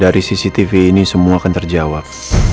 dari cctv ini semua akan terjawab